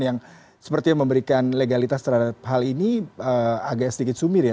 yang sepertinya memberikan legalitas terhadap hal ini agak sedikit sumir ya